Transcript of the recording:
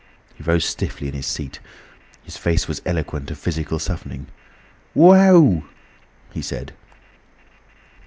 He rose stiffly in his seat. His face was eloquent of physical suffering. "Wow!" he said.